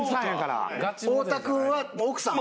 太田君は奥さん？